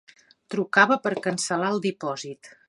Trucava per cancel·lar el dipòsit.